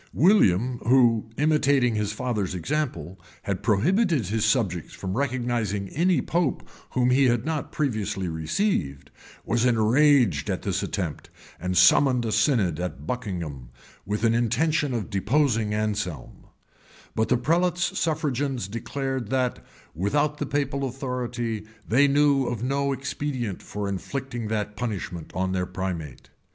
[] William, who, imitating his father's example, had prohibited his subjects from recognizing any pope whom he had not previously received, was enraged at this attempt, and summoned a synod at Buckingham, with an intention of deposing Anselm; but the prelate's suffragans declared, that, without the papal authority, they knew of no expedient for inflicting that punishment on their primate.